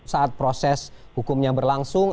saat proses hukumnya berlangsung